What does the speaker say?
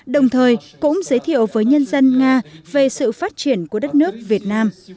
đồng thời cũng giới thiệu với nhân dân nga về sự phát triển của đất nước việt nam